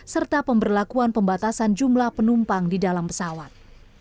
serta pemberlakuan pembatasan jumlah penumpang di dalam pesawat